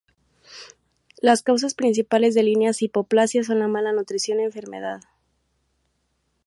Las causas principales de líneas de hipoplasia son la mala nutrición y enfermedad.